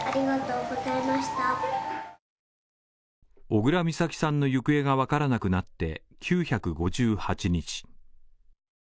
小倉美咲さんの行方がわからなくなって９５８日。